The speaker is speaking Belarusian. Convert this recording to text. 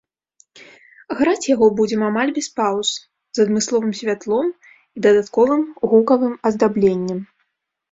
Граць яго будзем амаль без паўз, з адмысловым святлом і дадатковым гукавым аздабленнем.